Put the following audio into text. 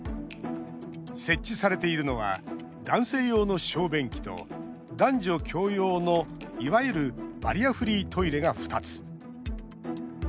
設置されているのは男性用の小便器と男女共用の、いわゆるバリアフリートイレが２つ。